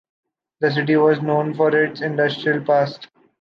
The city was known for its industrial past.